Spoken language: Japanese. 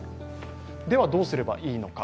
では、どうすればいいのか。